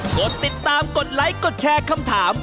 กดติดตามกดไลค์กดแชร์คำถาม